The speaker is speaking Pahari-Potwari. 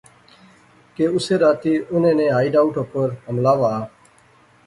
کہ اسے راتی انیں نے ہائیڈ اوٹ اپر حملہ وہا